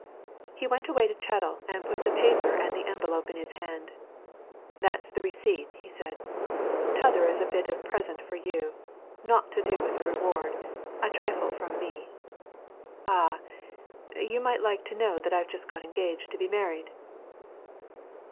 He went away to Chettle and put the paper and the envelope in his hand. "That's the receipt," he said. "T'other's a bit of a present for you naught to do with the reward a trifle from me. Ah! you might like to know that I've just got engaged to be married!"